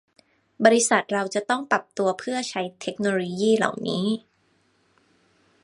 บริษัทเราจะต้องปรับตัวเพื่อใช้งานเทคโนโลยีเหล่านี้